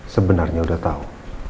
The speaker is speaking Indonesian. sebenarnya udah tahu